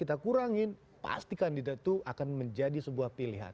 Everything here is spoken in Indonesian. kita kurangin pasti kandidat itu akan menjadi sebuah pilihan